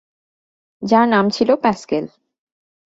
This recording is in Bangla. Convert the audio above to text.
যার নাম ছিল প্যাসকেল।